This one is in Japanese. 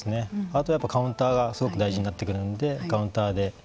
あとやっぱカウンターがすごく大事になってくるのでカウンターで。